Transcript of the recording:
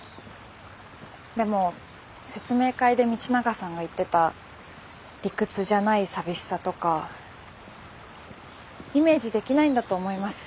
でも説明会で道永さんが言ってた理屈じゃない寂しさとかイメージできないんだと思います。